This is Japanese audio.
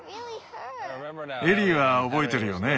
エリーは覚えてるよね？